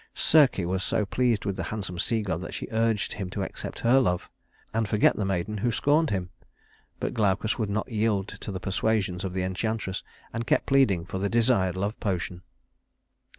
Circe was so well pleased with the handsome sea god that she urged him to accept her love, and forget the maiden who scorned him; but Glaucus would not yield to the persuasions of the enchantress, and kept pleading for the desired love potion.